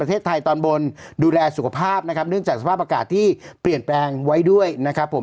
ประเทศไทยตอนบนดูแลสุขภาพนะครับเนื่องจากสภาพอากาศที่เปลี่ยนแปลงไว้ด้วยนะครับผม